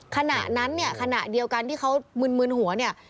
ขณะนั้นเนี่ยขณะเดียวกันที่เขามึนมืนหัวเนี่ย